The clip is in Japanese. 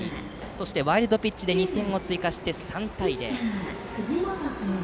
そしてワイルドピッチで２点を追加して３対０。